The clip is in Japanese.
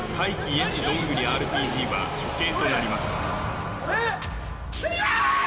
ＹｅｓどんぐりＲＰＧは処刑となりますいやあっ！